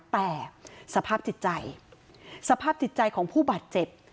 แต่สภาพจิตใจสภาพจิตใจของผู้บาดเจ็บ